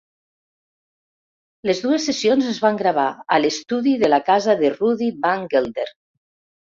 Les dues sessions es van gravar a l"estudi de la casa de Rudy Van Gelder.